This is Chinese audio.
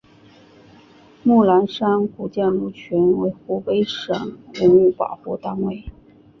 木兰山古建筑群为湖北省文物保护单位。